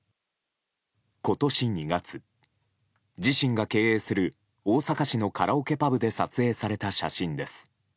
今年２月、自身が経営する大阪市のカラオケパブで撮影された写真です。